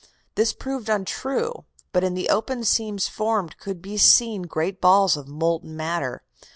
This proved untrue; but in the open seams formed could be seen great balls of molten matter.